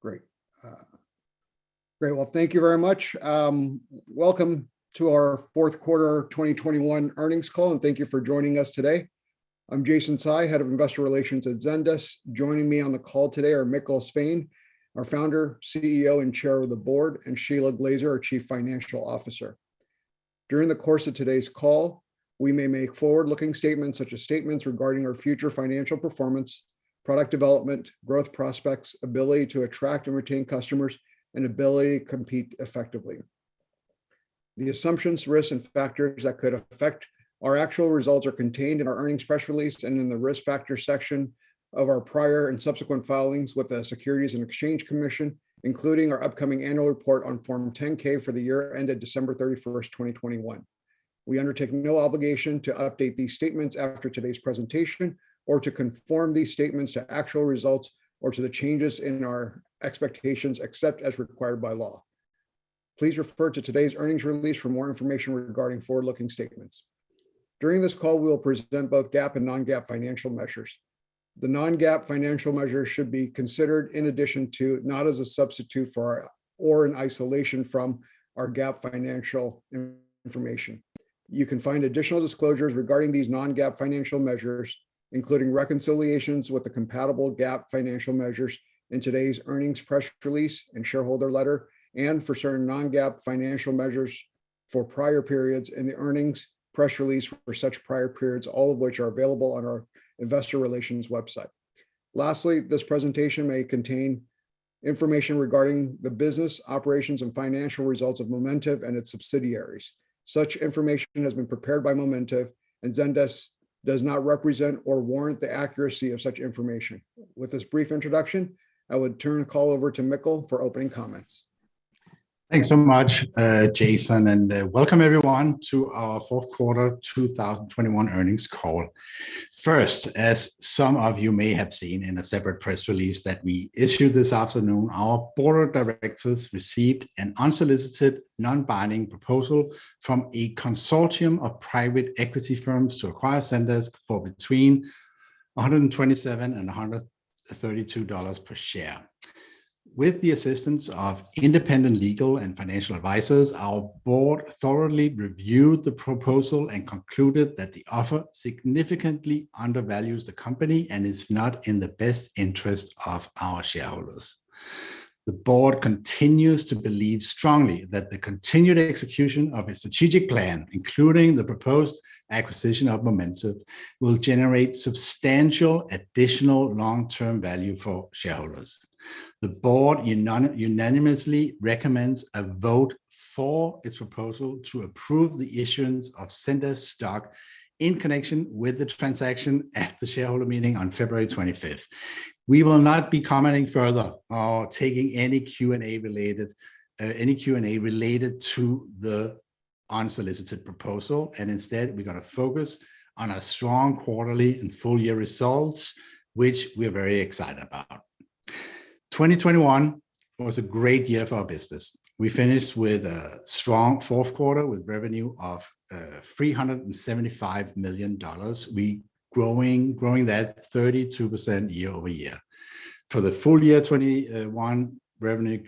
Great. Well, thank you very much. Welcome to our fourth quarter 2021 earnings call and thank you for joining us today. I'm Jason Tsai, Head of Investor Relations at Zendesk. Joining me on the call today are Mikkel Svane, our Founder, CEO, and Chair of the Board, and Shelagh Glaser, our Chief Financial Officer. During the course of today's call, we may make forward-looking statements such as statements regarding our future financial performance, product development, growth prospects, ability to attract and retain customers, and ability to compete effectively. The assumptions, risks, and factors that could affect our actual results are contained in our earnings press release and in the Risk Factors section of our prior and subsequent filings with the Securities and Exchange Commission, including our upcoming annual report on Form 10-K for the year ended December 31st, 2021. We undertake no obligation to update these statements after today's presentation or to conform these statements to actual results or to the changes in our expectations, except as required by law. Please refer to today's earnings release for more information regarding forward-looking statements. During this call, we will present both GAAP and non-GAAP financial measures. The non-GAAP financial measures should be considered in addition to, not as a substitute for or in isolation from, our GAAP financial information. You can find additional disclosures regarding these non-GAAP financial measures, including reconciliations with the comparable GAAP financial measures in today's earnings press release and shareholder letter and for certain non-GAAP financial measures for prior periods in the earnings press release for such prior periods, all of which are available on our Investor Relations website. Lastly, this presentation may contain information regarding the business, operations, and financial results of Momentive and its subsidiaries. Such information has been prepared by Momentive, and Zendesk does not represent or warrant the accuracy of such information. With this brief introduction, I would turn the call over to Mikkel for opening comments. Thanks so much, Jason, and welcome everyone to our fourth quarter 2021 earnings call. First, as some of you may have seen in a separate press release that we issued this afternoon, our Board of Directors received an unsolicited, non-binding proposal from a consortium of private equity firms to acquire Zendesk for between $127 and $132 per share. With the assistance of independent legal and financial advisors, our Board thoroughly reviewed the proposal and concluded that the offer significantly undervalues the company and is not in the best interest of our shareholders. The Board continues to believe strongly that the continued execution of a strategic plan, including the proposed acquisition of Momentive, will generate substantial additional long-term value for shareholders. The Board unanimously recommends a vote for its proposal to approve the issuance of Zendesk stock in connection with the transaction at the shareholder meeting on February 25th. We will not be commenting further or taking any Q&A related to the unsolicited proposal, and instead, we're gonna focus on our strong quarterly and full-year results, which we're very excited about. 2021 was a great year for our business. We finished with a strong fourth quarter with revenue of $375 million. We growing that 32% year-over-year. For the full year 2021, revenue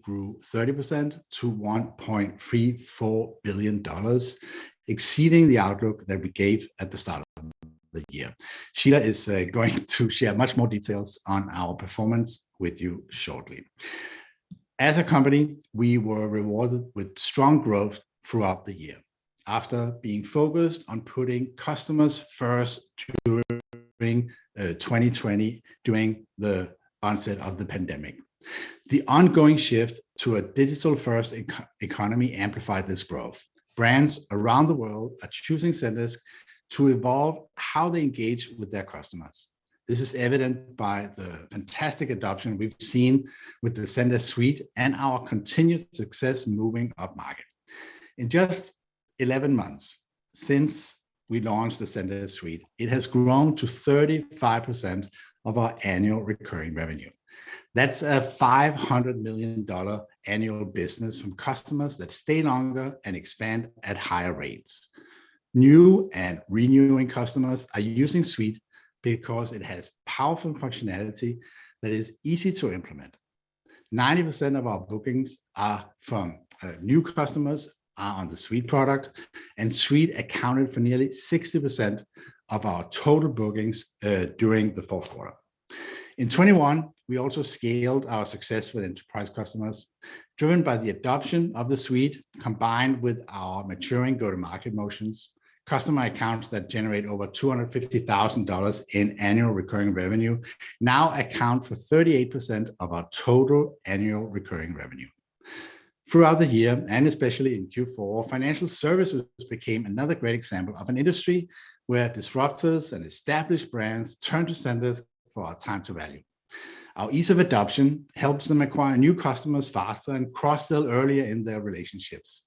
grew 30% to $1.34 billion, exceeding the outlook that we gave at the start of the year. Shelagh is going to share much more details on our performance with you shortly. As a company, we were rewarded with strong growth throughout the year after being focused on putting customers first during 2020 during the onset of the pandemic. The ongoing shift to a digital-first economy amplified this growth. Brands around the world are choosing Zendesk to evolve how they engage with their customers. This is evident by the fantastic adoption we've seen with the Zendesk Suite and our continued success moving upmarket. In just 11 months since we launched the Zendesk Suite, it has grown to 35% of our annual recurring revenue. That's a $500 million annual business from customers that stay longer and expand at higher rates. New and renewing customers are using Suite because it has powerful functionality that is easy to implement. 90% of our bookings are from new customers are on the Suite product, and Suite accounted for nearly 60% of our total bookings during the fourth quarter. In 2021, we also scaled our success with enterprise customers, driven by the adoption of the Suite combined with our maturing go-to-market motions. Customer accounts that generate over $250,000 in annual recurring revenue now account for 38% of our total annual recurring revenue. Throughout the year, and especially in Q4, financial services became another great example of an industry where disruptors and established brands turn to Zendesk for our time to value. Our ease of adoption helps them acquire new customers faster and cross-sell earlier in their relationships.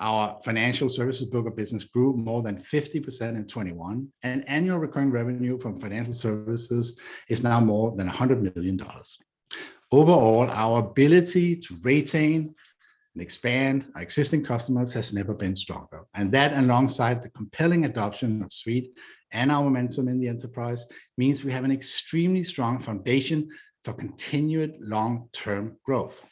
Our financial services broker business grew more than 50% in 2021, and annual recurring revenue from financial services is now more than $100 million. Overall, our ability to retain and expand our existing customers has never been stronger. That, alongside the compelling adoption of Suite and our momentum in the enterprise, means we have an extremely strong foundation for continued long-term growth.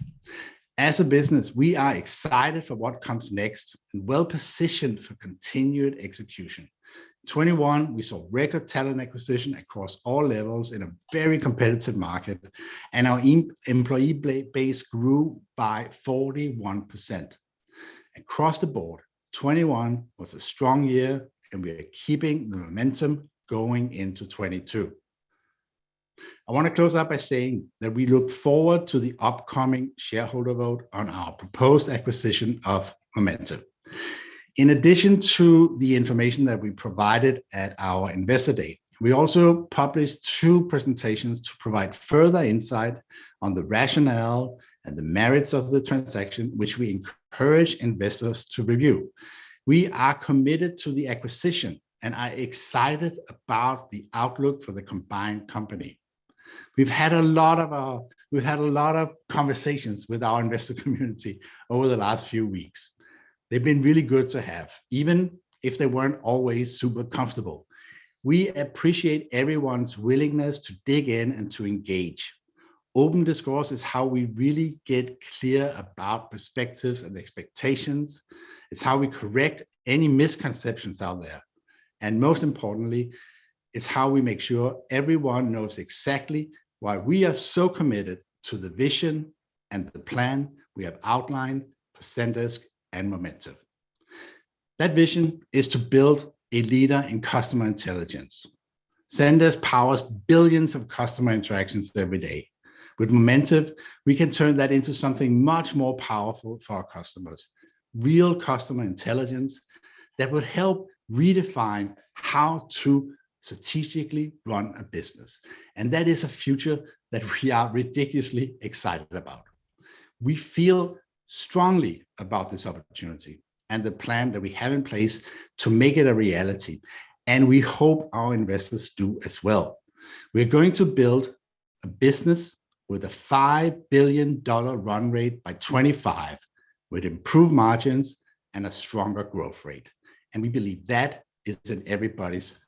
As a business, we are excited for what comes next and well-positioned for continued execution. 2021, we saw record talent acquisition across all levels in a very competitive market, and our employee base grew by 41%. Across the board, 2021 was a strong year, and we are keeping the momentum going into 2022. I wanna close out by saying that we look forward to the upcoming shareholder vote on our proposed acquisition of Momentive. In addition to the information that we provided at our Investor Day, we also published two presentations to provide further insight on the rationale and the merits of the transaction which we encourage investors to review. We are committed to the acquisition, and are excited about the outlook for the combined company. We've had a lot of conversations with our investor community over the last few weeks. They've been really good to have, even if they weren't always super comfortable. We appreciate everyone's willingness to dig in and to engage. Open discourse is how we really get clear about perspectives and expectations. It's how we correct any misconceptions out there. Most importantly, it's how we make sure everyone knows exactly why we are so committed to the vision and the plan we have outlined for Zendesk and Momentive. That vision is to build a leader in customer intelligence. Zendesk powers billions of customer interactions every day. With Momentive, we can turn that into something much more powerful for our customers, real customer intelligence that will help redefine how to strategically run a business, and that is a future that we are ridiculously excited about. We feel strongly about this opportunity and the plan that we have in place to make it a reality, and we hope our investors do as well. We're going to build a business with a $5 billion run rate by 2025, with improved margins and a stronger growth rate. We believe that is in everybody's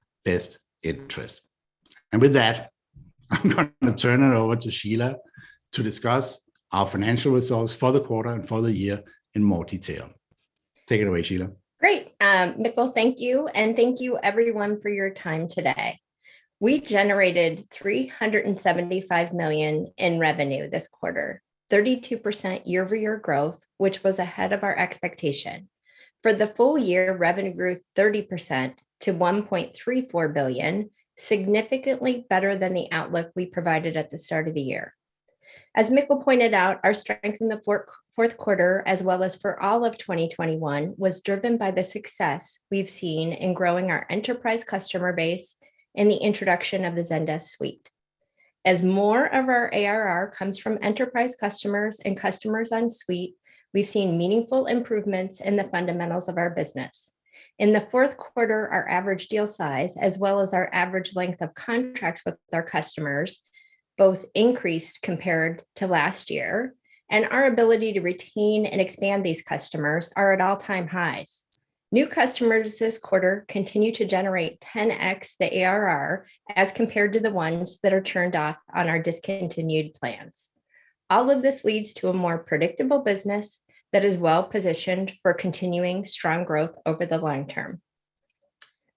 best interest. With that, I'm going to turn it over to Shelagh to discuss our financial results for the quarter and for the year in more detail. Take it away, Shelagh. Great. Mikkel, thank you, and thank you everyone for your time today. We generated $375 million in revenue this quarter. 32% year-over-year growth, which was ahead of our expectation. For the full year, revenue grew 30% to $1.34 billion, significantly better than the outlook we provided at the start of the year. As Mikkel pointed out, our strength in the fourth quarter as well as for all of 2021 was driven by the success we've seen in growing our enterprise customer base and the introduction of the Zendesk Suite. As more of our ARR comes from Enterprise customers and customers on Suite, we've seen meaningful improvements in the fundamentals of our business. In the fourth quarter, our average deal size, as well as our average length of contracts with our customers, both increased compared to last year, and our ability to retain and expand these customers are at all-time highs. New customers this quarter continue to generate 10x the ARR as compared to the ones that are turned off on our discontinued plans. All of this leads to a more predictable business that is well-positioned for continuing strong growth over the long term.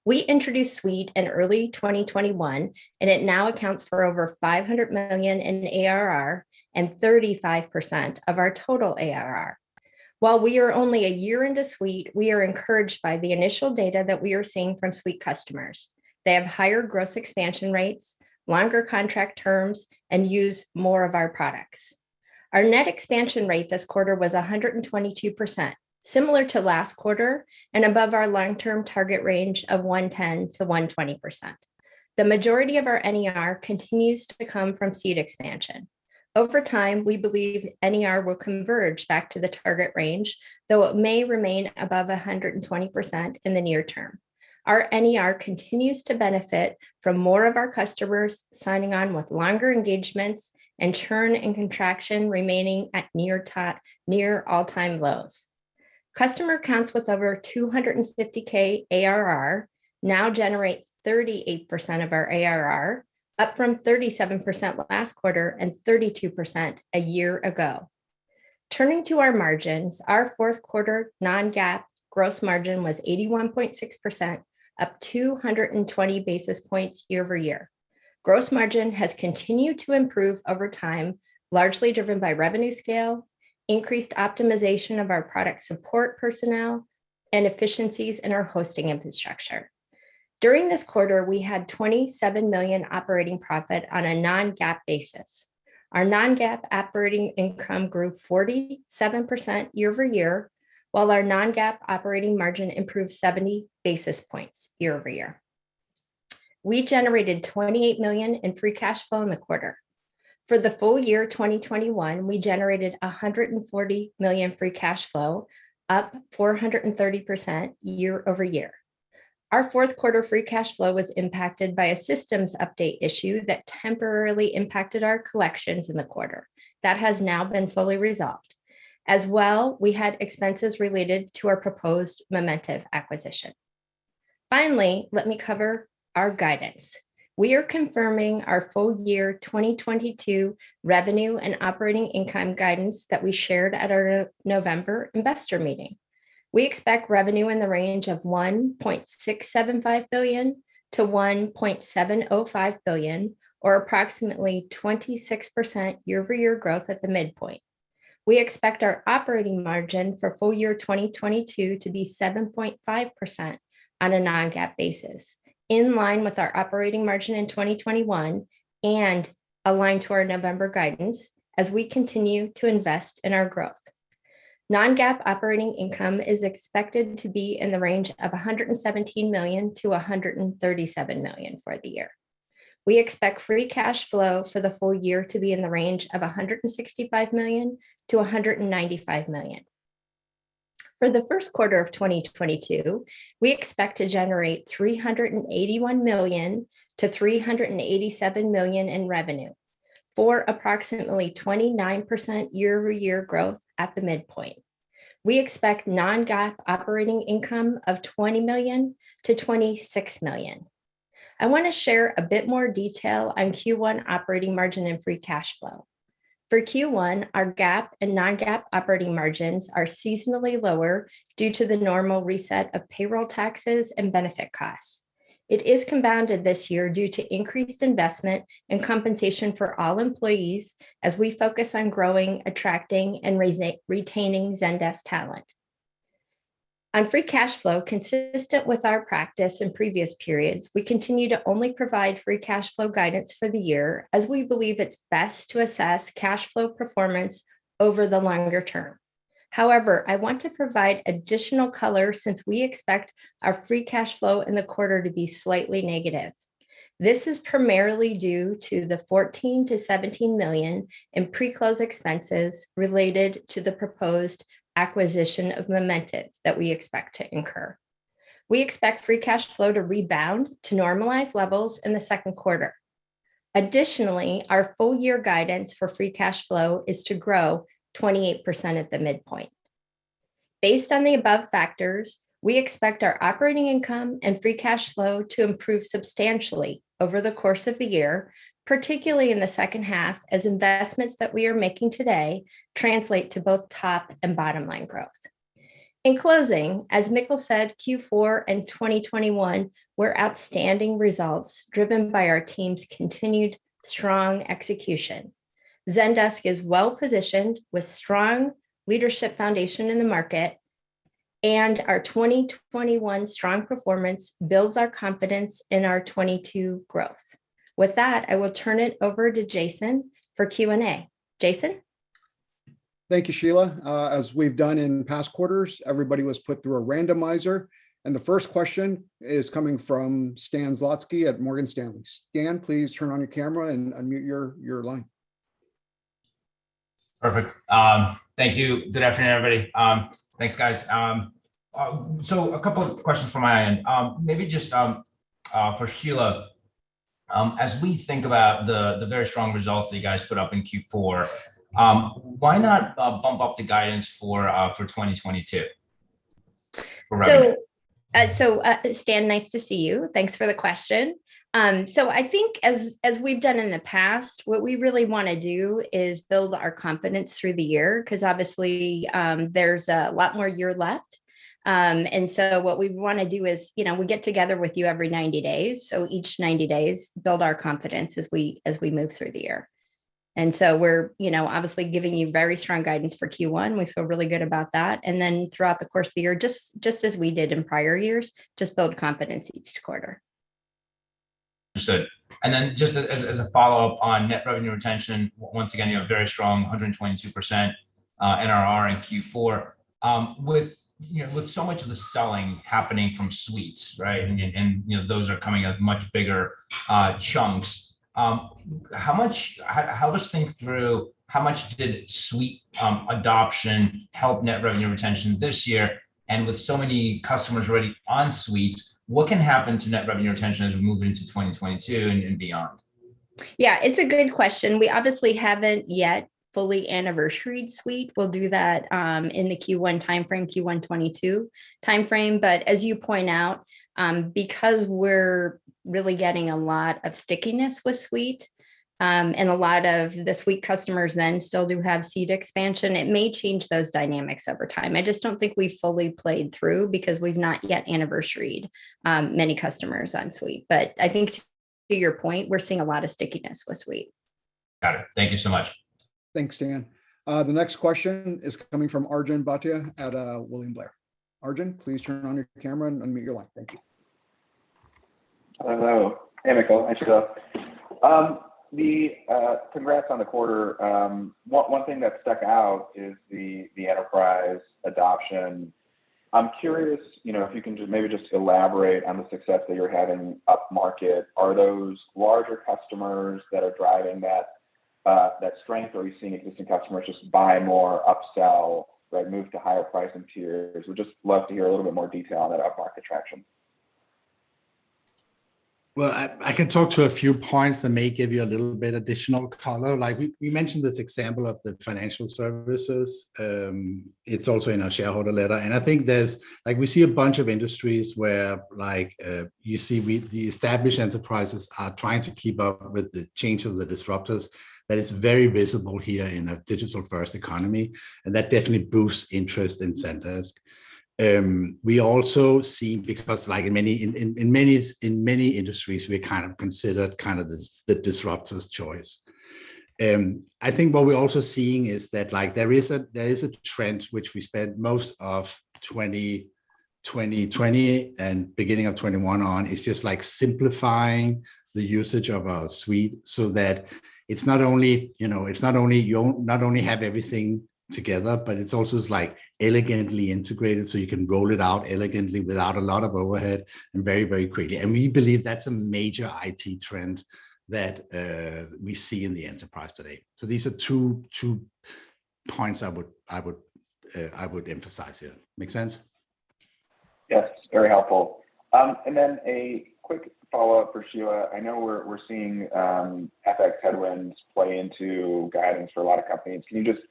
We introduced Suite in early 2021, and it now accounts for over $500 million in ARR and 35% of our total ARR. While we are only a year into Suite, we are encouraged by the initial data that we are seeing from Suite customers. They have higher gross expansion rates, longer contract terms, and use more of our products. Our net expansion rate this quarter was 122%, similar to last quarter and above our long-term target range of 110%-120%. The majority of our NRR continues to come from Suite expansion. Over time, we believe NRR will converge back to the target range, though it may remain above 120% in the near term. Our NRR continues to benefit from more of our customers signing on with longer engagements, and churn and contraction remaining at near all-time lows. Customer counts with over 250K ARR now generate 38% of our ARR, up from 37% last quarter and 32% a year ago. Turning to our margins, our fourth quarter non-GAAP gross margin was 81.6%, up 220 basis points year-over-year. Gross margin has continued to improve over time, largely driven by revenue scale, increased optimization of our product support personnel, and efficiencies in our hosting infrastructure. During this quarter, we had $27 million operating profit on a non-GAAP basis. Our non-GAAP operating income grew 47% year over year, while our non-GAAP operating margin improved 70 basis points year over year. We generated $28 million in free cash flow in the quarter. For the full year 2021, we generated $140 million free cash flow, up 430% year over year. Our fourth quarter free cash flow was impacted by a systems update issue that temporarily impacted our collections in the quarter. That has now been fully resolved. As well, we had expenses related to our proposed Momentive acquisition. Finally, let me cover our guidance. We are confirming our full year 2022 revenue and operating income guidance that we shared at our November Investor Meeting. We expect revenue in the range of $1.675 billion-$1.705 billion, or approximately 26% year-over-year growth at the midpoint. We expect our operating margin for full year 2022 to be 7.5% on a non-GAAP basis, in line with our operating margin in 2021, and aligned to our November guidance as we continue to invest in our growth. Non-GAAP operating income is expected to be in the range of $117 million-$137 million for the year. We expect free cash flow for the full year to be in the range of $165 million-$195 million. For the first quarter of 2022, we expect to generate $381 million-$387 million in revenue for approximately 29% year-over-year growth at the midpoint. We expect non-GAAP operating income of $20 million-$26 million. I wanna share a bit more detail on Q1 operating margin and free cash flow. For Q1, our GAAP and non-GAAP operating margins are seasonally lower due to the normal reset of payroll taxes and benefit costs. It is compounded this year due to increased investment and compensation for all employees as we focus on growing, attracting, and retaining Zendesk talent. On free cash flow, consistent with our practice in previous periods, we continue to only provide free cash flow guidance for the year, as we believe it's best to assess cash flow performance over the longer term. However, I want to provide additional color since we expect our free cash flow in the quarter to be slightly negative. This is primarily due to the $14 million-$17 million in pre-close expenses related to the proposed acquisition of Momentive that we expect to incur. We expect free cash flow to rebound to normalized levels in the second quarter. Additionally, our full year guidance for free cash flow is to grow 28% at the midpoint. Based on the above factors, we expect our operating income and free cash flow to improve substantially over the course of the year, particularly in the second half, as investments that we are making today translate to both top and bottom-line growth. In closing, as Mikkel said, Q4 and 2021 were outstanding results driven by our team's continued strong execution. Zendesk is well positioned with strong leadership foundation in the market, and our 2021 strong performance builds our confidence in our 2022 growth. With that, I will turn it over to Jason for Q&A. Jason? Thank you, Shelagh. As we've done in past quarters, everybody was put through a randomizer, and the first question is coming from Stan Zlotsky at Morgan Stanley. Stan, please turn on your camera and unmute your line. Perfect. Thank you. Good afternoon, everybody. Thanks, guys. A couple of questions from my end. Maybe just for Shelagh, as we think about the very strong results that you guys put up in Q4, why not bump up the guidance for 2022 for revenue? Stan, nice to see you. Thanks for the question. I think as we've done in the past, what we really wanna do is build our confidence through the year, 'cause obviously, there's a lot more year left. What we wanna do is, you know, we get together with you every 90 days, so each 90 days build our confidence as we, as we move through the year. We're, you know, obviously giving you very strong guidance for Q1. We feel really good about that. Throughout the course of the year, just as we did in prior years, just build confidence each quarter. Understood. Just as a follow-up on net revenue retention, once again, you have very strong 122% NRR in Q4. With you know, with so much of the selling happening from Suites, right, and you know, those are coming at much bigger chunks, let's think through how much did Suite adoption help net revenue retention this year? With so many customers already on Suites, what can happen to net revenue retention as we move into 2022 and beyond? Yeah, it's a good question. We obviously haven't yet fully anniversaried Suite. We'll do that in the Q1 timeframe, Q1 2022 timeframe. As you point out, because we're really getting a lot of stickiness with Suite, and a lot of the Suite customers then still do have seat expansion, it may change those dynamics over time. I just don't think we've fully played through because we've not yet anniversaried many customers on Suite. I think to your point, we're seeing a lot of stickiness with Suite. Got it. Thank you so much. Thanks, Stan. The next question is coming from Arjun Bhatia at William Blair. Arjun, please turn on your camera and unmute your line. Thank you. Hello. Hey, Mikkel. Hi, Shelagh. Congrats on the quarter. One thing that stuck out is the enterprise adoption. I'm curious, you know, if you can just maybe just elaborate on the success that you're having up market. Are those larger customers that are driving that- That strength. Are we seeing existing customers just buy more, upsell, like move to higher pricing tiers? Would just love to hear a little bit more detail on that up-market traction. Well, I can talk to a few points that may give you a little bit additional color. Like, we mentioned this example of the financial services. It's also in our shareholder letter. I think there's like, we see a bunch of industries where, like, you see, the established enterprises are trying to keep up with the change of the disruptors, that is very visible here in a digital first economy, and that definitely boosts interest in Zendesk. We also see, because like in many industries, we're kind of considered the disruptor's choice. I think what we're also seeing is that, like, there is a trend which we spent most of 2020 and beginning of 2021 on. It's just, like, simplifying the usage of our suite so that it's not only, you know, not only have everything together, but it's also elegantly integrated so you can roll it out elegantly without a lot of overhead and very, very quickly. We believe that's a major IT trend that we see in the Enterprise today. These are two points I would emphasize here. Make sense? Yes. Very helpful. A quick follow-up for Shelagh. I know we're seeing FX headwinds play into guidance for a lot of companies. Can you just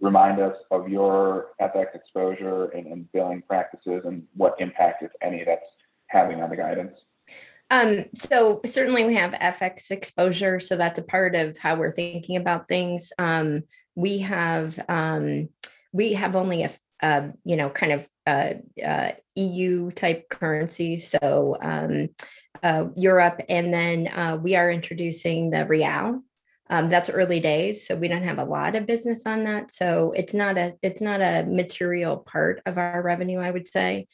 remind us of your FX exposure and billing practices and what impact, if any, that's having on the guidance? Certainly, we have FX exposure, that's a part of how we're thinking about things. We have only, you know, kind of EU-type currency, so Europe and then we are introducing the real. That's early days, we don't have a lot of business on that. It's not a material part of our revenue, I would say.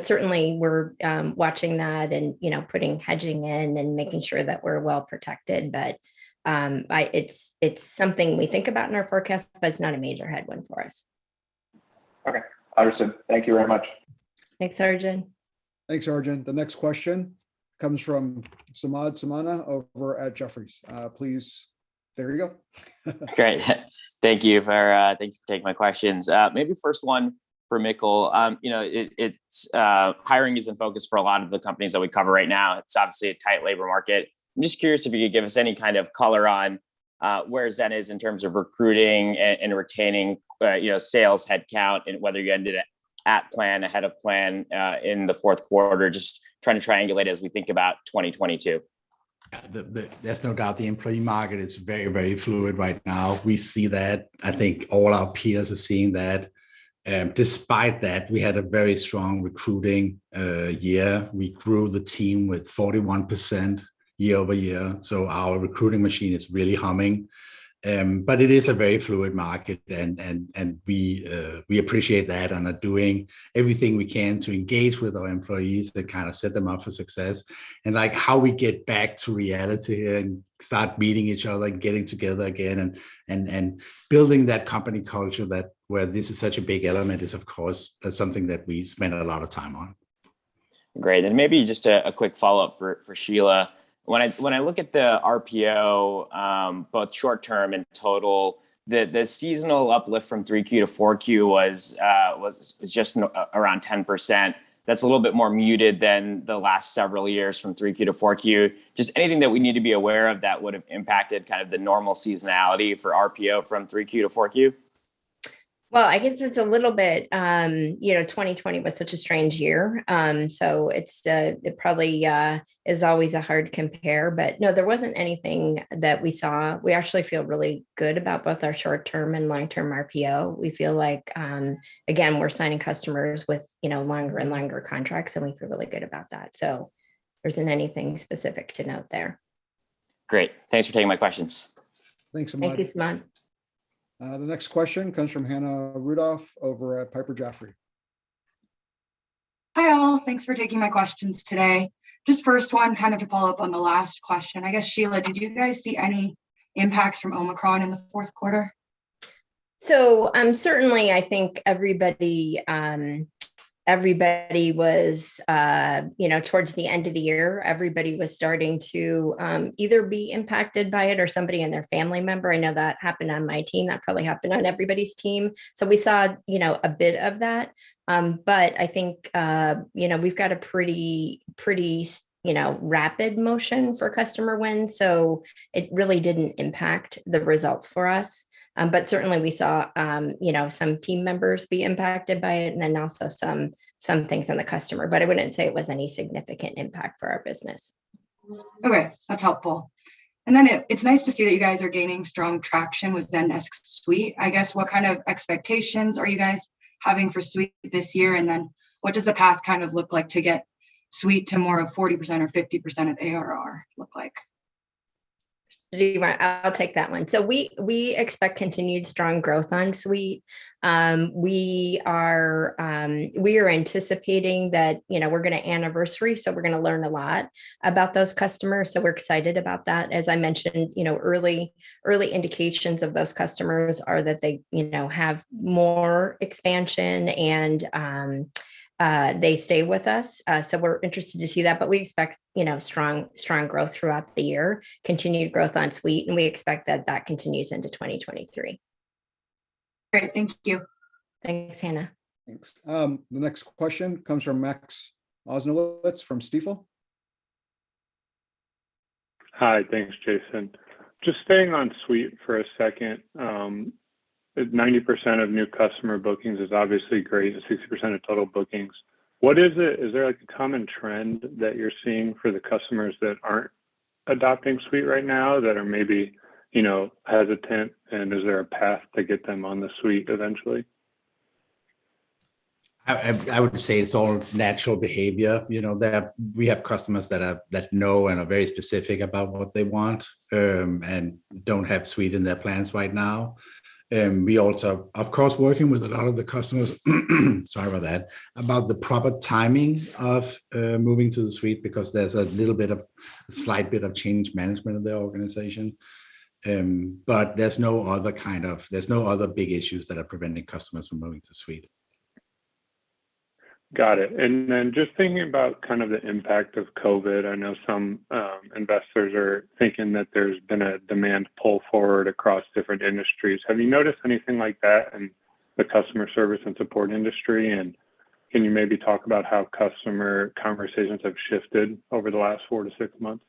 Certainly, we're watching that and, you know, putting hedging in and making sure that we're well protected. It's something we think about in our forecast, but it's not a major headwind for us. Okay. Understood. Thank you very much. Thanks, Arjun. Thanks, Arjun. The next question comes from Samad Samana over at Jefferies. Please. There we go. Great. Thank you for taking my questions. Maybe first one for Mikkel. You know, it's hiring is in focus for a lot of the companies that we cover right now. It's obviously a tight labor market. I'm just curious if you could give us any kind of color on where Zendesk is in terms of recruiting and retaining you know, sales headcount, and whether you ended it at plan, ahead of plan in the fourth quarter. Just trying to triangulate as we think about 2022. Yeah. There's no doubt the employee market is very, very fluid right now. We see that. I think all our peers are seeing that. Despite that, we had a very strong recruiting year. We grew the team with 41% year-over-year, so our recruiting machine is really humming. It is a very fluid market and we appreciate that and are doing everything we can to engage with our employees that kind of set them up for success. Like, how we get back to reality and start meeting each other and getting together again and building that company culture that, where this is such a big element is of course something that we spend a lot of time on. Great. Maybe just a quick follow-up for Shelagh. When I look at the RPO, both short-term and total, the seasonal uplift from 3Q to 4Q was just around 10%. That's a little bit more muted than the last several years from 3Q to 4Q. Just anything that we need to be aware of that would've impacted kind of the normal seasonality for RPO from 3Q to 4Q? Well, I guess it's a little bit, you know, 2020 was such a strange year. It probably is always a hard compare. No, there wasn't anything that we saw. We actually feel really good about both our short-term and long-term RPO. We feel like, again, we're signing customers with, you know, longer and longer contracts, and we feel really good about that. There isn't anything specific to note there. Great. Thanks for taking my questions. Thanks, Samad. Thank you, Samad. The next question comes from Hannah Rudoff over at Piper Sandler. Hi, all. Thanks for taking my questions today. Just first one, kind of to follow up on the last question, I guess, Shelagh, did you guys see any impacts from Omicron in the fourth quarter? Certainly, I think everybody was, you know, towards the end of the year, everybody was starting to either be impacted by it or somebody in their family member. I know that happened on my team. That probably happened on everybody's team. We saw, you know, a bit of that. I think, you know, we've got a pretty rapid motion for customer wins, so it really didn't impact the results for us. Certainly we saw, you know, some team members be impacted by it and then also some things on the customer. I wouldn't say it was any significant impact for our business. Okay. That's helpful. It's nice to see that you guys are gaining strong traction with Zendesk Suite. I guess, what kind of expectations are you guys having for Suite this year? What does the path kind of look like to get Suite to more of 40% or 50% of ARR look like? You go right. I'll take that one. We expect continued strong growth on Suite. We are anticipating that, you know, we're gonna anniversary, so we're gonna learn a lot about those customers, so we're excited about that. As I mentioned, you know, early indications of those customers are that they, you know, have more expansion and they stay with us. We're interested to see that. We expect, you know, strong growth throughout the year, continued growth on Suite, and we expect that continues into 2023. Great. Thank you. Thanks, Hannah. Thanks. The next question comes from Maxwell Osnowitz from Stifel. Hi. Thanks, Jason. Just staying on Suite for a second. If 90% of new customer bookings is obviously great, and 60% of total bookings, what is it? Is there, like, a common trend that you're seeing for the customers that aren't adopting Suite right now that are maybe, you know, hesitant, and is there a path to get them on the Suite eventually? I would say it's all natural behavior. You know, we have customers that know and are very specific about what they want, and don't have Suite in their plans right now. We also, of course, working with a lot of the customers, sorry about that, about the proper timing of moving to the Suite because there's a little bit of slight bit of change management of their organization. But there's no other kind of big issues that are preventing customers from moving to Suite. Got it. Just thinking about kind of the impact of COVID, I know some investors are thinking that there's been a demand pull forward across different industries. Have you noticed anything like that in the customer service and support industry, and can you maybe talk about how customer conversations have shifted over the last four to six months?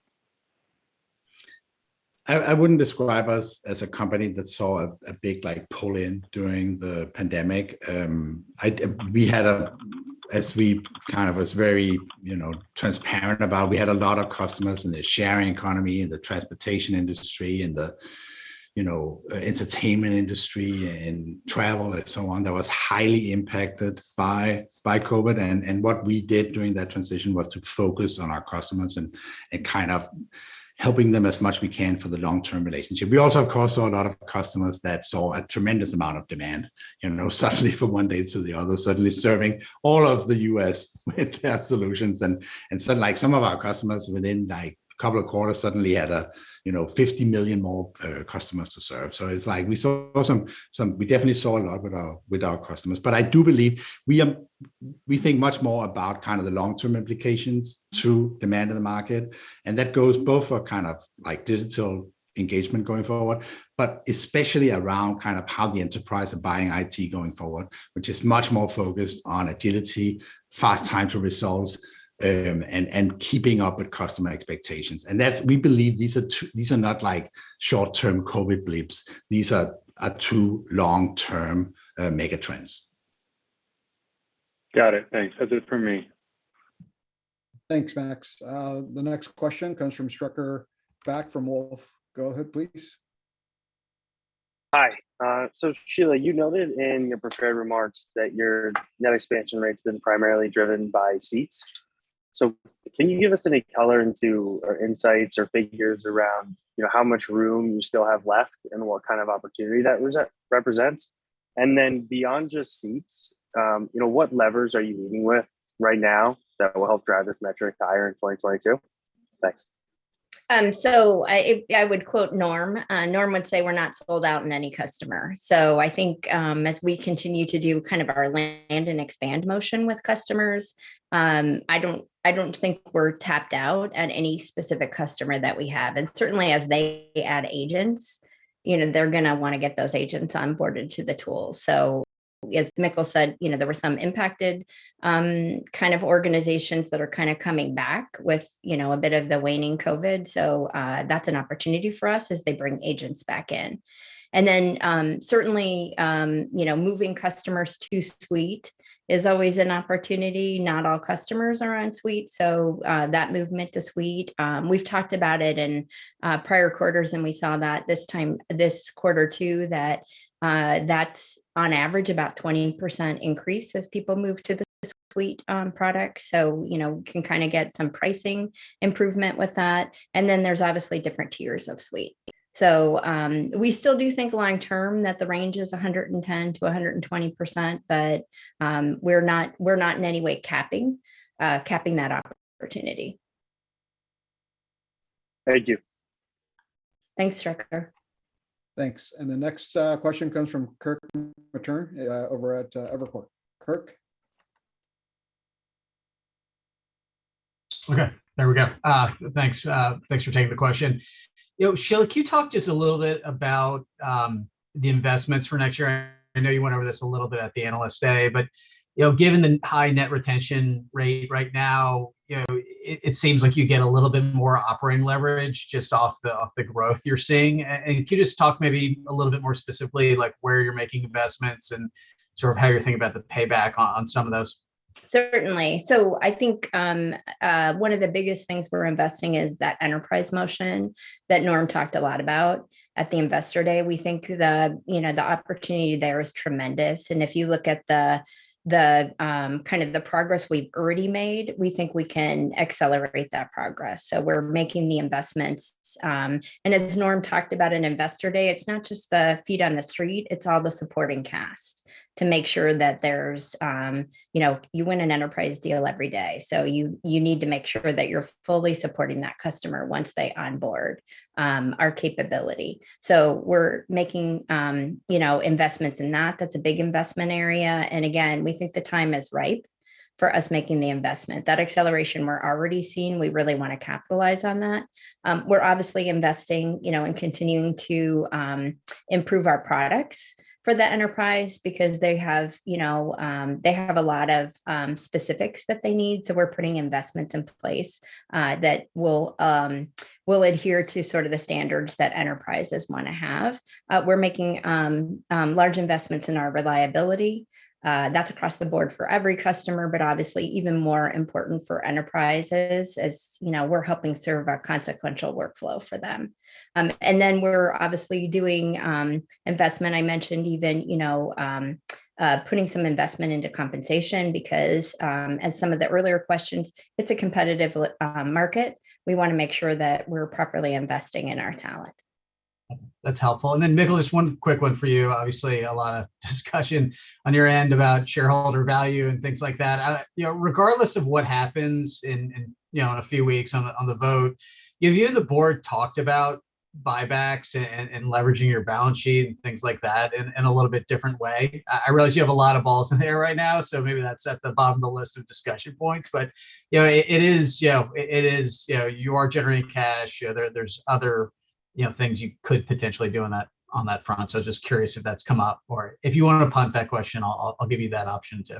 I wouldn't describe us as a company that saw a big, like, pull-in during the pandemic. As we kind of was very transparent about, we had a lot of customers in the sharing economy, in the transportation industry, in the entertainment industry, and travel and so on, that was highly impacted by COVID. What we did during that transition was to focus on our customers and kind of helping them as much we can for the long-term relationship. We also, of course, saw a lot of customers that saw a tremendous amount of demand, suddenly from one day to the other, suddenly serving all of the U.S. with their solutions. Like, some of our customers within, like, a couple of quarters suddenly had, you know, 50 million more customers to serve. It's like we saw some. We definitely saw a lot with our customers. I do believe we think much more about kind of the long-term implications to demand of the market, and that goes both for kind of, like, digital engagement going forward, but especially around kind of how the enterprise are buying IT going forward, which is much more focused on agility, fast time to results, and keeping up with customer expectations. We believe these are not, like, short-term COVID blips. These are two long-term mega trends. Got it. Thanks. That's it for me. Thanks, Max. The next question comes from Strecker Backe from Wolfe. Go ahead, please. Hi. Shelagh, you noted in your prepared remarks that your net expansion rate's been primarily driven by seats. Can you give us any color on, or insights or figures around, you know, how much room you still have left and what kind of opportunity that represents? Beyond just seats, you know, what levers are you leaning on right now that will help drive this metric higher in 2022? Thanks. I would quote Norm. Norm would say we're not sold out in any customer. I think as we continue to do kind of our land and expand motion with customers, I don't think we're tapped out at any specific customer that we have. Certainly, as they add agents, you know, they're gonna wanna get those agents onboarded to the tool. As Mikkel said, you know, there were some impacted kind of organizations that are kinda coming back with you know, a bit of the waning COVID, that's an opportunity for us as they bring agents back in. Then certainly you know, moving customers to Suite is always an opportunity. Not all customers are on Suite, so that movement to Suite, we've talked about it in prior quarters and we saw that this time, this quarter too, that that's on average about 20% increase as people move to the Suite product. You know, can kind of get some pricing improvement with that, and then there's obviously different tiers of Suite. We still do think long-term that the range is 110%-120%, but we're not in any way capping that opportunity. Thank you. Thanks, Strecker. Thanks. The next question comes from Kirk Materne over at Evercore. Kirk? Okay. There we go. Thanks. Thanks for taking the question. You know, Shelagh, can you talk just a little bit about the investments for next year? I know you went over this a little bit at the Analyst Day, but you know, given the high net retention rate right now, you know, it seems like you get a little bit more operating leverage just off the growth you're seeing. And could you just talk maybe a little bit more specifically, like, where you're making investments and sort of how you're thinking about the payback on some of those? Certainly. I think one of the biggest things we're investing is that Enterprise motion that Norm talked a lot about at the Investor Day. We think, you know, the opportunity there is tremendous. If you look at the kind of progress we've already made, we think we can accelerate that progress. We're making the investments. As Norm talked about in Investor Day, it's not just the feet on the street, it's all the supporting cast to make sure that there's. You know, you win an enterprise deal every day, so you need to make sure that you're fully supporting that customer once they onboard our capability. We're making, you know, investments in that. That's a big investment area. Again, we think the time is ripe for us making the investment. That acceleration we're already seeing, we really wanna capitalize on that. We're obviously investing, you know, in continuing to improve our products for the Enterprise because they have a lot of specifics that they need. We're putting investments in place that will adhere to sort of the standards that enterprises wanna have. We're making large investments in our reliability. That's across the board for every customer, but obviously even more important for enterprises as, you know, we're helping serve a consequential workflow for them. We're obviously doing investment. I mentioned even, you know, putting some investment into compensation because, as some of the earlier questions, it's a competitive labor market. We wanna make sure that we're properly investing in our talent. That's helpful. Mikkel, just one quick one for you. Obviously, a lot of discussion on your end about shareholder value and things like that. You know, regardless of what happens in, you know, in a few weeks on the vote, have you and the Board talked about buybacks and leveraging your balance sheet and things like that in a little bit different way? I realize you have a lot of balls in the air right now, so maybe that's at the bottom of the list of discussion points. You know, it is, you know, you are generating cash. You know, there's other, you know, things you could potentially do on that, on that front, so just curious if that's come up or if you wanna punt that question. I'll give you that option too.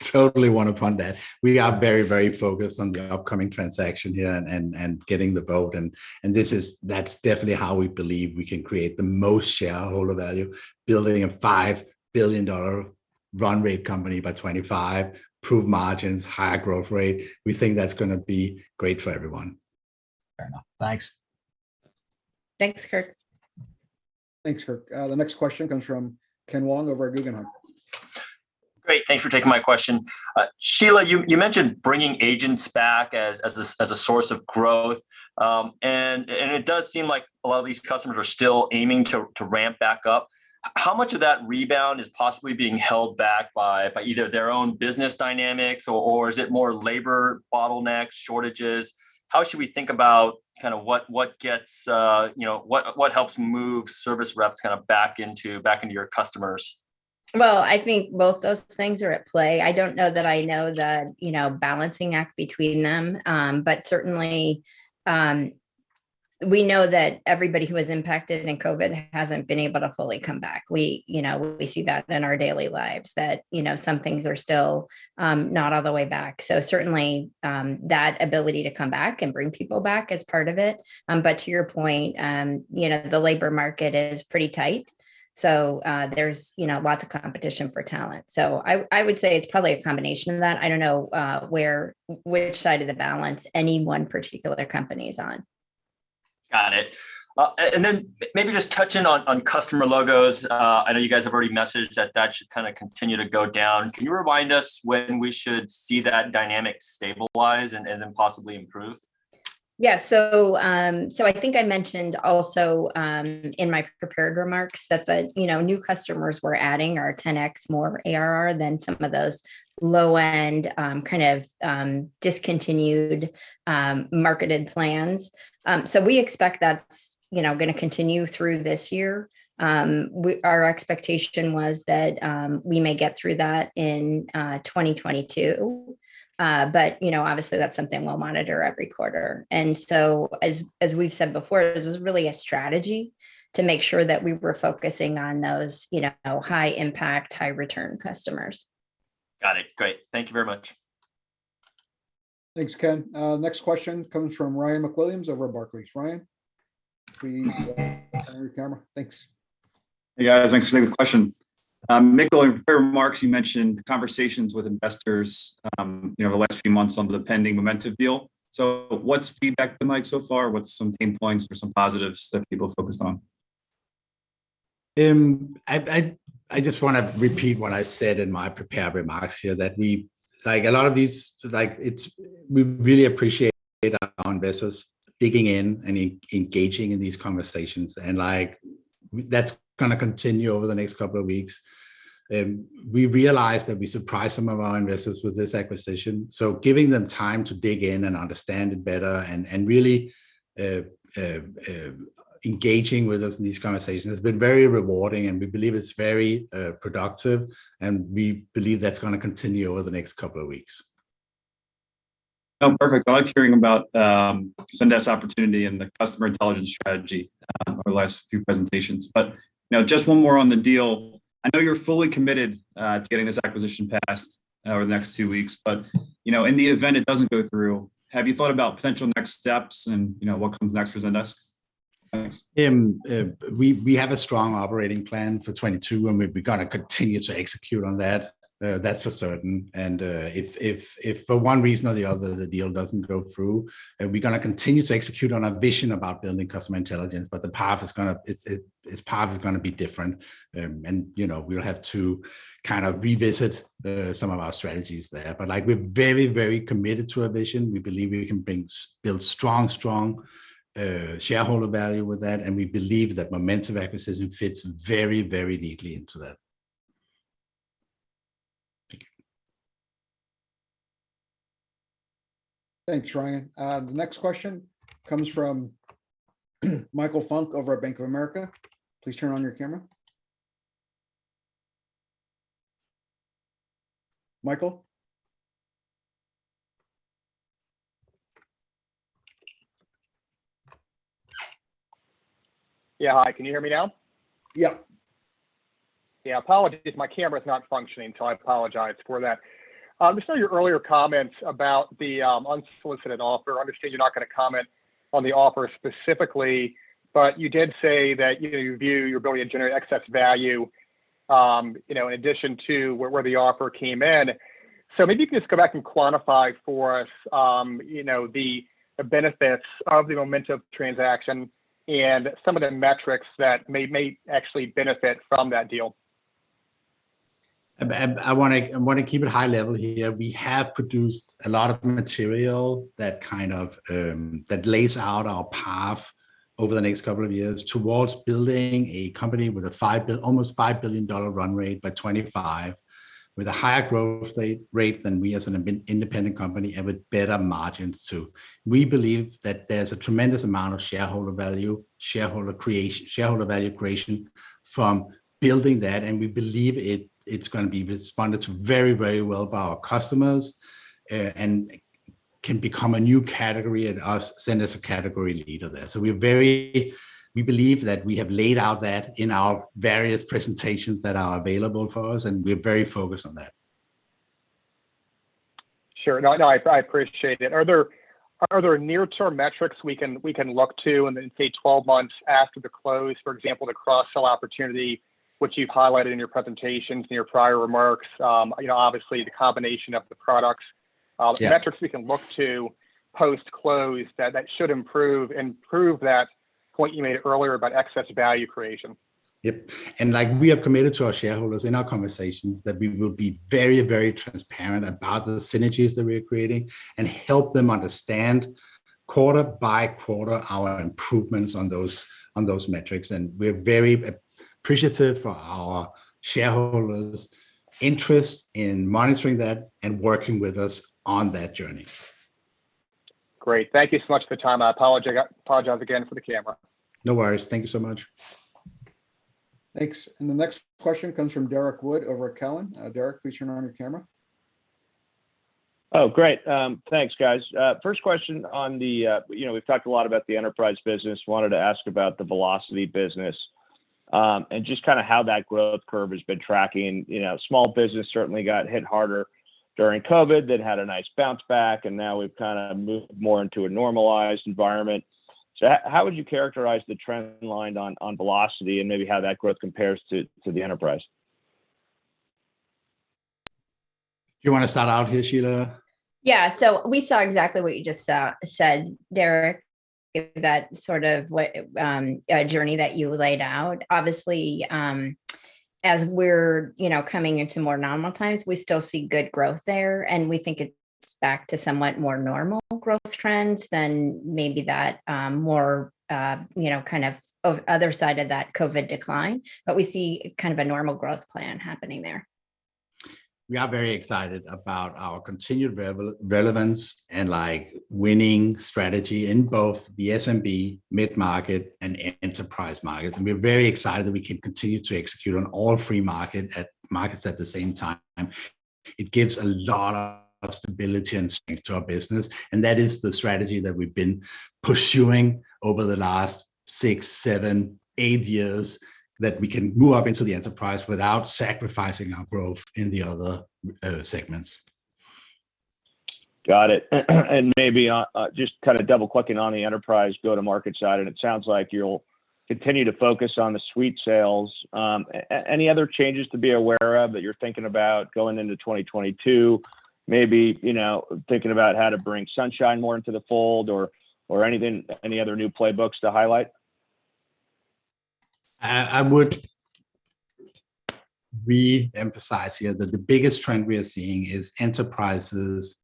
Totally wanna punt that. We are very, very focused on the upcoming transaction here and getting the vote. That's definitely how we believe we can create the most shareholder value, building a $5 billion run rate company by 2025, improved margins, higher growth rate. We think that's gonna be great for everyone. Fair enough. Thanks. Thanks, Kirk. Thanks, Kirk. The next question comes from Ken Wong over at Guggenheim. Great. Thanks for taking my question. Shelagh, you mentioned bringing agents back as a source of growth, and it does seem like a lot of these customers are still aiming to ramp back up. How much of that rebound is possibly being held back by either their own business dynamics or is it more labor bottlenecks, shortages? How should we think about kinda what gets what helps move service reps kinda back into your customers? Well, I think both those things are at play. I don't know that I know the, you know, balancing act between them. Certainly, we know that everybody who was impacted in COVID hasn't been able to fully come back. We, you know, we see that in our daily lives that, you know, some things are still not all the way back. Certainly, that ability to come back and bring people back is part of it. To your point, you know, the labor market is pretty tight, so there's, you know, lots of competition for talent. I would say it's probably a combination of that. I don't know which side of the balance any one particular company is on. Got it. Maybe just touching on customer logos. I know you guys have already messaged that that should kinda continue to go down. Can you remind us when we should see that dynamic stabilize and then possibly improve? I think I mentioned also in my prepared remarks that the new customers we're adding are 10x more ARR than some of those low-end kind of discontinued marketed plans. We expect that's gonna continue through this year. Our expectation was that we may get through that in 2022. You know, obviously, that's something we'll monitor every quarter. As we've said before, this is really a strategy to make sure that we were focusing on those high-impact, high-return customers. Got it. Great. Thank you very much. Thanks, Ken. Next question comes from Ryan MacWilliams over at Barclays. Ryan, please turn on your camera. Thanks. Hey, guys. Thanks for taking the question. Mikkel, in your prepared remarks, you mentioned conversations with investors, you know, over the last few months on the pending Momentive deal. What's feedback been like so far? What's some pain points or some positives that people focused on? I just wanna repeat what I said in my prepared remarks here, that we like a lot of these, like it's we really appreciate our investors digging in and engaging in these conversations. That's gonna continue over the next couple of weeks. We realize that we surprised some of our investors with this acquisition, so giving them time to dig in and understand it better and really engaging with us in these conversations has been very rewarding, and we believe it's very productive. We believe that's gonna continue over the next couple of weeks. Oh, perfect. I liked hearing about Zendesk's opportunity and the customer intelligence strategy over the last few presentations. You know, just one more on the deal. I know you're fully committed to getting this acquisition passed over the next two weeks, you know, in the event it doesn't go through. Have you thought about potential next steps and, you know, what comes next for Zendesk? Thanks. We have a strong operating plan for 2022, and we're gonna continue to execute on that. That's for certain. If for one reason or the other the deal doesn't go through, we're gonna continue to execute on our vision about building customer intelligence, but the path is gonna be different. You know, we'll have to kind of revisit some of our strategies there. Like, we're very committed to our vision. We believe we can build strong shareholder value with that, and we believe that Momentive acquisition fits very neatly into that. Thank you. Thanks, Ryan. The next question comes from Michael Funk over at Bank of America. Please turn on your camera. Michael? Yeah. Hi. Can you hear me now? Yeah. Yeah. Apologies. My camera's not functioning, so I apologize for that. Just on your earlier comments about the unsolicited offer, I understand you're not gonna comment on the offer specifically, but you did say that, you know, you view your ability to generate excess value, you know, in addition to where the offer came in. Maybe you can just go back and quantify for us, you know, the benefits of the Momentive transaction and some of the metrics that may actually benefit from that deal. I wanna keep it high level here. We have produced a lot of material that kind of that lays out our path over the next couple of years towards building a company with almost $5 billion run rate by 2025, with a higher growth rate than we as an independent company, and with better margins too. We believe that there's a tremendous amount of shareholder value, shareholder creation, shareholder value creation from building that, and we believe it's gonna be responded to very, very well by our customers, and can become a new category and position us as a category leader there. We believe that we have laid out that in our various presentations that are available for us, and we're very focused on that. Sure. No, I appreciate it. Are there near-term metrics we can look to in, say, 12 months after the close? For example, the cross-sell opportunity which you've highlighted in your presentations, in your prior remarks. You know, obviously the combination of the products. Yeah. The metrics we can look to post-close that should improve and prove that point you made earlier about excess value creation. Yep. Like we have committed to our shareholders in our conversations that we will be very, very transparent about the synergies that we're creating, and help them understand quarter-by-quarter our improvements on those metrics. We're very appreciative for our shareholders' interest in monitoring that and working with us on that journey. Great. Thank you so much for the time. I apologize again for the camera. No worries. Thank you so much. Thanks. The next question comes from Derrick Wood over at Cowen. Derrick, please turn on your camera. Oh, great. Thanks, guys. First question on the, you know, we've talked a lot about the enterprise business. Wanted to ask about the Velocity business, and just kind of how that growth curve has been tracking. You know, small business certainly got hit harder during COVID, then had a nice bounce back, and now we've kind of moved more into a normalized environment. How would you characterize the trend line on Velocity and maybe how that growth compares to the enterprise? Do you wanna start out here, Shelagh? Yeah. We saw exactly what you just said, Derrick. That sort of journey that you laid out. Obviously, as we're, you know, coming into more normal times, we still see good growth there, and we think it's back to somewhat more normal growth trends than maybe that, more, you know, kind of other side of that COVID decline. We see kind of a normal growth plan happening there. We are very excited about our continued relevance and, like, winning strategy in both the SMB, mid-market, and enterprise markets. We're very excited that we can continue to execute on all three markets at the same time. It gives a lot of stability and strength to our business, and that is the strategy that we've been pursuing over the last six, seven, eight years, that we can move up into the enterprise without sacrificing our growth in the other segments. Got it. Maybe on just kind of double-clicking on the enterprise go-to-market side, and it sounds like you'll continue to focus on the Suite sales. Any other changes to be aware of that you're thinking about going into 2022? Maybe, you know, thinking about how to bring Sunshine more into the fold or anything, any other new playbooks to highlight? I would reemphasize here that the biggest trend we are seeing is enterprises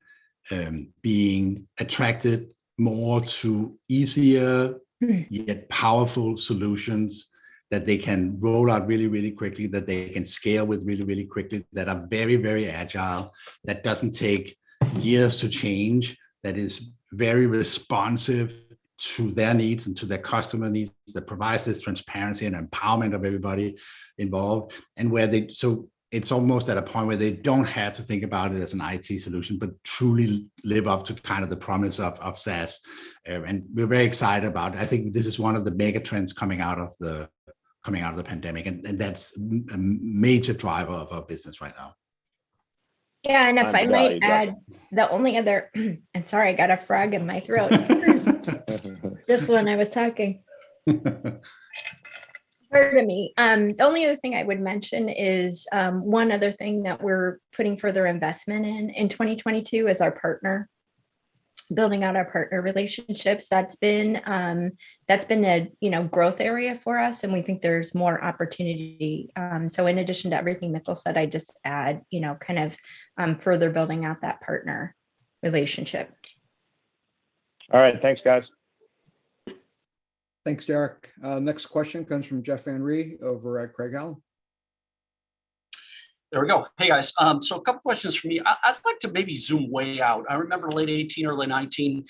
being attracted more to easier yet powerful solutions that they can roll out really quickly, that they can scale with really quickly, that are very agile, that doesn't take years to change, that is very responsive to their needs and to their customer needs, that provides this transparency and empowerment of everybody involved. It's almost at a point where they don't have to think about it as an IT solution, but truly live up to kind of the promise of SaaS. We're very excited about it. I think this is one of the mega trends coming out of the pandemic, and that's a major driver of our business right now. Yeah, if I might add. I'd agree. Sorry, I got a frog in my throat. Just when I was talking. Pardon me. The only other thing I would mention is one other thing that we're putting further investment in in 2022 is our partner, building out our partner relationships. That's been a, you know, growth area for us, and we think there's more opportunity. In addition to everything Mikkel said, I'd just add, you know, kind of, further building out that partner relationship. All right. Thanks, guys. Thanks, Derrick. Next question comes from Jeff Van Rhee over at Craig-Hallum. There we go. Hey, guys. A couple questions from me. I'd like to maybe zoom way out. I remember late 2018, early 2019,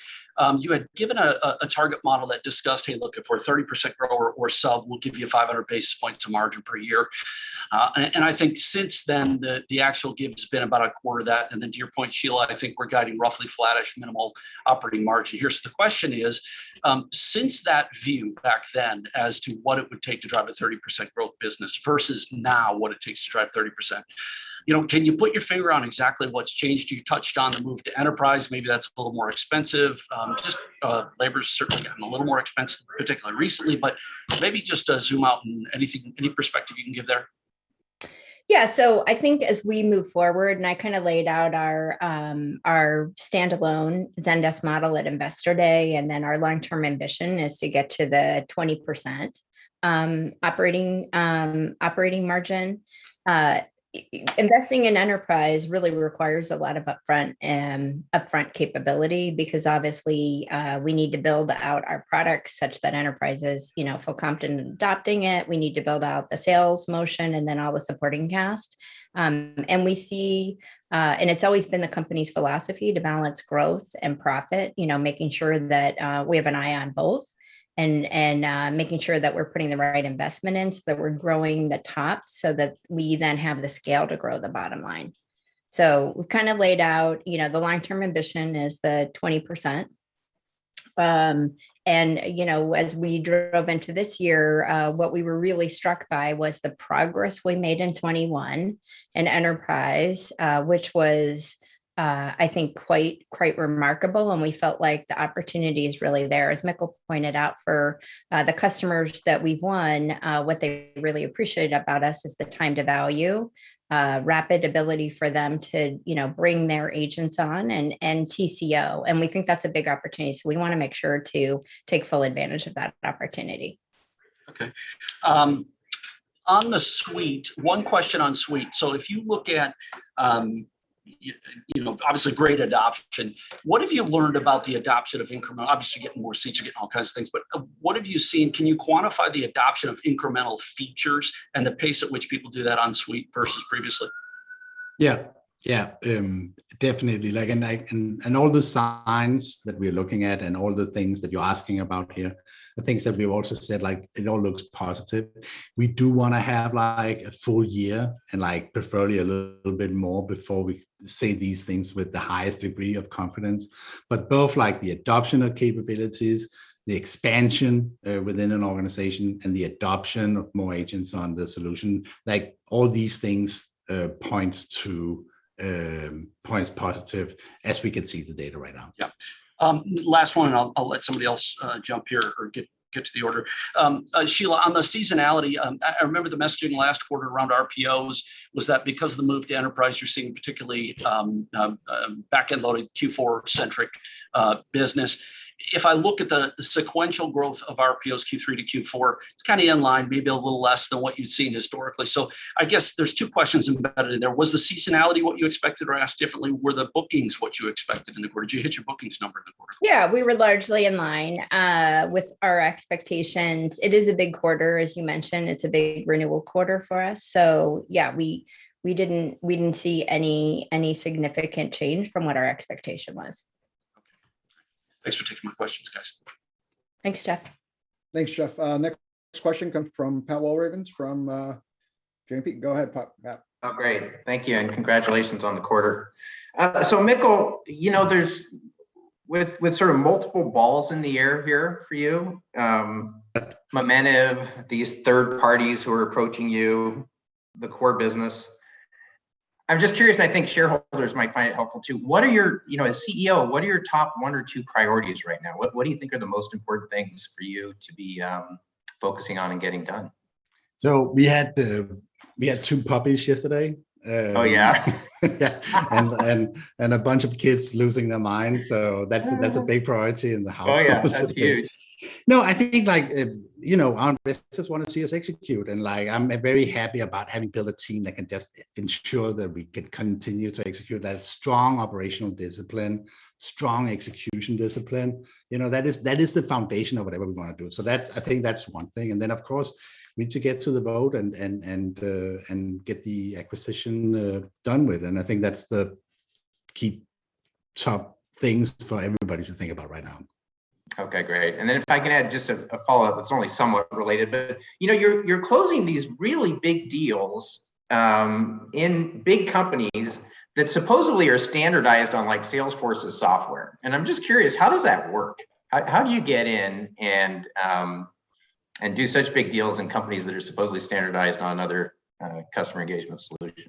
you had given a target model that discussed, hey, look, if we're 30% growth or sub, we'll give you 500 basis points to margin per year. And I think since then the actual give's been about a quarter of that. To your point, Shelagh, I think we're guiding roughly flattish minimal operating margin. Here, the question is, since that view back then as to what it would take to drive a 30% growth business versus now what it takes to drive 30%, you know, can you put your finger on exactly what's changed? You've touched on the move to enterprise. Maybe that's a little more expensive. Just labor's certainly gotten a little more expensive, particularly recently. Maybe just zoom out and anything, any perspective you can give there? Yeah. I think as we move forward, I kind of laid out our standalone Zendesk model at Investor Day, and then our long-term ambition is to get to the 20% operating margin. Investing in enterprise really requires a lot of upfront capability because obviously we need to build out our products such that enterprise is, you know, feel confident in adopting it. We need to build out the sales motion and then all the supporting cast. It's always been the company's philosophy to balance growth and profit, you know, making sure that we have an eye on both and making sure that we're putting the right investment in so that we're growing the top so that we then have the scale to grow the bottom line. We've kind of laid out, you know, the long-term ambition is the 20%. You know, as we drove into this year, what we were really struck by was the progress we made in 2021 in enterprise, which was, I think quite remarkable, and we felt like the opportunity is really there. As Mikkel pointed out, for the customers that we've won, what they really appreciate about us is the time to value, rapid ability for them to, you know, bring their agents on, and TCO, and we think that's a big opportunity, so we wanna make sure to take full advantage of that opportunity. Okay. On the Suite, one question on Suite. If you look at, you know, obviously great adoption, what have you learned about the adoption of incremental? Obviously, you're getting more seats, you're getting all kinds of things, but, what have you seen? Can you quantify the adoption of incremental features and the pace at which people do that on Suite versus previously? Yeah. Yeah. Definitely. All the signs that we're looking at and all the things that you're asking about here, the things that we've also said, like, it all looks positive. We do wanna have, like, a full year and, like, preferably a little bit more before we say these things with the highest degree of confidence. Both, like, the adoption of capabilities, the expansion within an organization and the adoption of more agents on the solution, like, all these things points to positive as we can see the data right now. Yeah. Last one, and I'll let somebody else jump here or get to the order. Shelagh, on the seasonality, I remember the messaging last quarter around RPOs was that because of the move to enterprise, you're seeing particularly backend loaded Q4 centric business. If I look at the sequential growth of RPOs Q3 to Q4, it's kind of in line, maybe a little less than what you'd seen historically. I guess there's two questions embedded in there. Was the seasonality what you expected, or asked differently, were the bookings what you expected in the quarter? Did you hit your bookings number in the quarter? Yeah. We were largely in line with our expectations. It is a big quarter, as you mentioned. It's a big renewal quarter for us. Yeah, we didn't see any significant change from what our expectation was. Okay. Thanks for taking my questions, guys. Thanks, Jeff. Thanks, Jeff. Our next question comes from Pat Walravens from JMP. Go ahead, Pat. Oh, great. Thank you, and congratulations on the quarter. Mikkel, you know, there's with sort of multiple balls in the air here for you, Momentive, these third parties who are approaching you, the core business. I'm just curious, and I think shareholders might find it helpful too, what are your, you know, as CEO, what are your top one or two priorities right now? What do you think are the most important things for you to be focusing on and getting done? We had two puppies yesterday. Oh, yeah. Yeah, a bunch of kids losing their minds, so that's a big priority in the house. Oh, yeah. That's huge. No, I think like, you know, our investors wanna see us execute, and like, I'm very happy about having built a team that can just ensure that we can continue to execute that strong operational discipline, strong execution discipline. You know, that is the foundation of whatever we wanna do. That's, I think that's one thing. Of course, we need to get to the vote and get the acquisition done with, and I think that's the key top things for everybody to think about right now. Okay. Great. Then if I could add just a follow-up that's only somewhat related. You know, you're closing these really big deals in big companies that supposedly are standardized on, like, Salesforce's software. I'm just curious, how does that work? How do you get in and do such big deals in companies that are supposedly standardized on another customer engagement solution?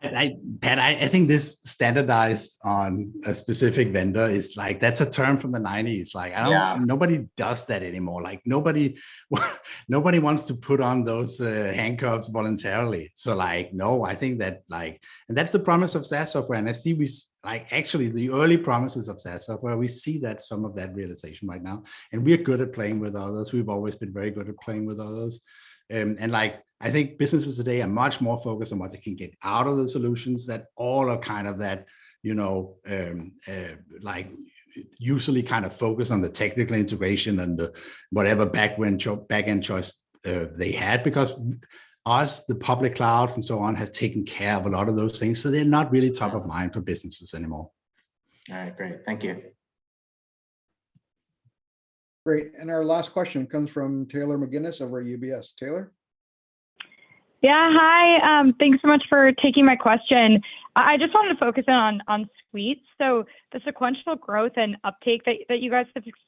Pat, I think this standardized on a specific vendor is like, that's a term from the 1990s. Like, I don't- Yeah Nobody does that anymore. Like, nobody wants to put on those handcuffs voluntarily. No, I think that. That's the promise of SaaS software, and I see, actually, the early promises of SaaS software, we see that some of that realization right now, and we're good at playing with others. We've always been very good at playing with others. Like, I think businesses today are much more focused on what they can get out of the solutions that all are kind of that, you know, like usually kind of focused on the technical integration and the whatever back end choice they had. Because as the public cloud and so on has taken care of a lot of those things, so they're not really top of mind for businesses anymore. All right. Great. Thank you. Great. Our last question comes from Taylor McGinnis over at UBS. Taylor? Yeah. Hi. Thanks so much for taking my question. I just wanted to focus in on Suite. The sequential growth and uptake that you guys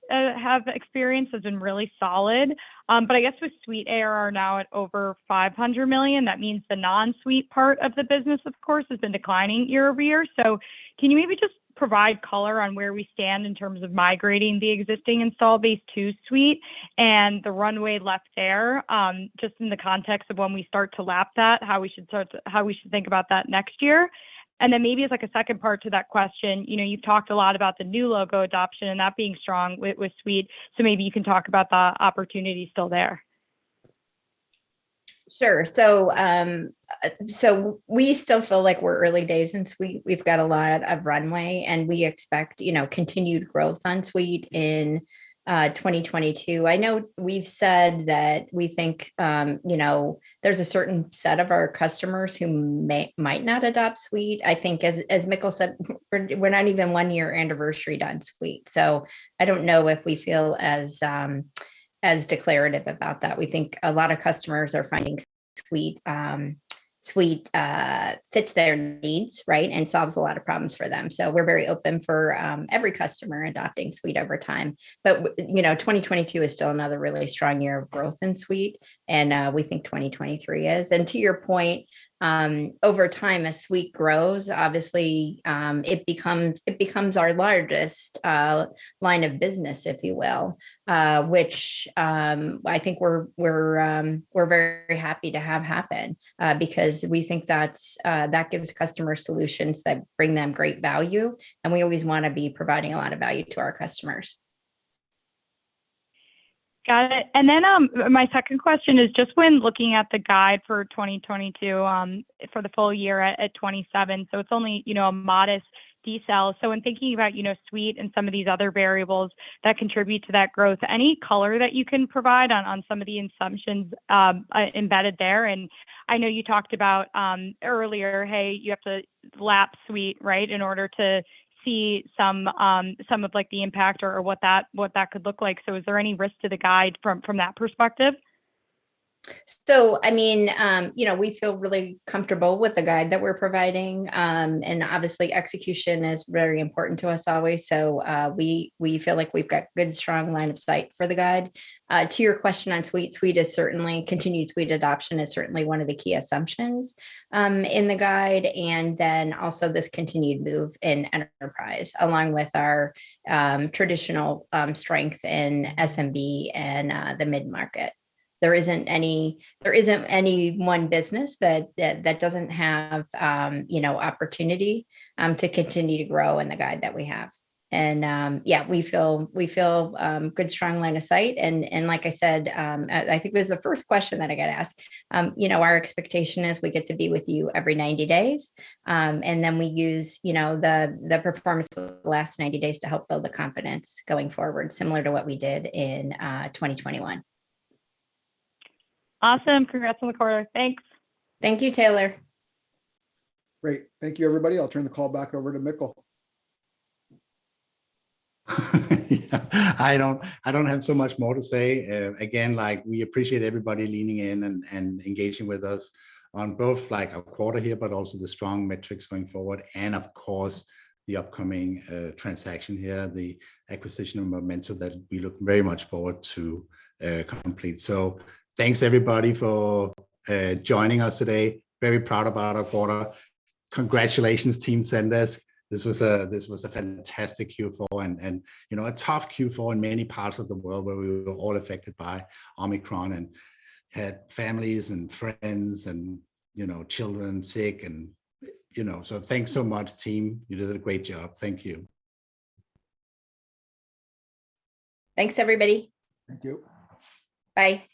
have experienced has been really solid. But I guess with Suite ARR now at over $500 million, that means the non-Suite part of the business, of course, has been declining year-over-year. Can you maybe just provide color on where we stand in terms of migrating the existing install base to Suite and the runway left there, just in the context of when we start to lap that, how we should think about that next year? Then maybe as like a second part to that question, you know, you've talked a lot about the new logo adoption and that being strong with Suite, so maybe you can talk about the opportunity still there. Sure. We still feel like we're early days in Suite. We've got a lot of runway, and we expect, you know, continued growth on Suite in 2022. I know we've said that we think, you know, there's a certain set of our customers who might not adopt Suite. I think as Mikkel said, we're not even one year anniversary on Suite. I don't know if we feel as declarative about that. We think a lot of customers are finding Suite fits their needs, right, and solves a lot of problems for them. We're very open for every customer adopting Suite over time. But you know, 2022 is still another really strong year of growth in Suite, and we think 2023 is. To your point, over time as Suite grows, obviously, it becomes our largest line of business, if you will, which I think we're very happy to have happen, because we think that gives customers solutions that bring them great value, and we always wanna be providing a lot of value to our customers. Got it. My second question is just when looking at the guide for 2022 for the full year at 27%, so it's only, you know, a modest decel. When thinking about, you know, Suite and some of these other variables that contribute to that growth, any color that you can provide on some of the assumptions embedded there? I know you talked about earlier, hey, you have to lap Suite, right, in order to see some of like the impact or what that could look like. Is there any risk to the guide from that perspective? I mean, you know, we feel really comfortable with the guide that we're providing, and obviously execution is very important to us always. We feel like we've got good, strong line of sight for the guide. To your question on Suite, continued Suite adoption is certainly one of the key assumptions in the guide, and then also this continued move in enterprise, along with our traditional strengths in SMB and the mid-market. There isn't any one business that doesn't have, you know, opportunity to continue to grow in the guide that we have. Yeah, we feel good, strong line of sight. Like I said, I think it was the first question that I got asked, you know, our expectation is we get to be with you every 90 days, and then we use, you know, the performance of the last 90 days to help build the confidence going forward, similar to what we did in 2021. Awesome. Congrats on the quarter. Thanks. Thank you, Taylor. Great. Thank you, everybody. I'll turn the call back over to Mikkel. Yeah. I don't have so much more to say. Again, like, we appreciate everybody leaning in and engaging with us on both, like, our quarter here, but also the strong metrics going forward, and of course the upcoming transaction here, the acquisition of Momentive that we look very much forward to complete. Thanks, everybody, for joining us today. Very proud about our quarter. Congratulations, team Zendesk. This was a fantastic Q4, and you know, a tough Q4 in many parts of the world where we were all affected by Omicron and had families and friends and you know, children sick and you know. Thanks so much, team. You did a great job. Thank you. Thanks, everybody. Thank you. Bye. Bye.